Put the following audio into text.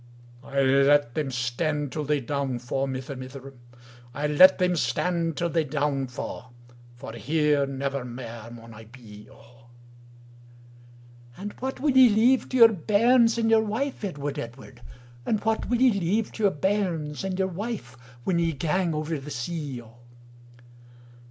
"Ile let thame stand tul they doun fa, Mither, mither, Ile let thame stand till they down fa, For here nevir mair maun I bee O.""And what wul ye leive to your bairns and your wife, Edward, Edward? And what wul ye leive to your bairns and your wife, Whan ye gang ovir the sea O?"